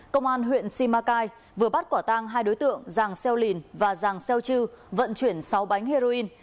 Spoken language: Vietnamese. công an huyện simacai vừa bắt quả tang hai đối tượng giàng xeo lìn và giàng xeo chư vận chuyển sáu bánh heroin